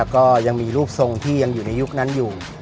ก็ยังมีรูปทรงที่ยังอยู่ในยุคนั้นอยู่